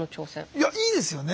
いやいいですよね